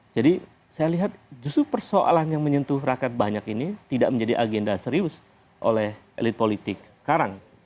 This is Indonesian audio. jadi saya lihat justru persoalan yang menyentuh rakyat banyak ini tidak menjadi agenda serius oleh elit politik sekarang